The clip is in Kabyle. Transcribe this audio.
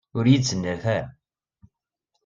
Ur iyi-d-ttnalet ara!